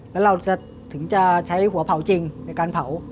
แล้วเราจะถึงจะใช้หัวเผาจริงในการเผา